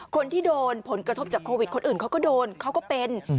คนที่โดนผลกระทบจากโควิดคนอื่นเขาก็โดนเขาก็เป็น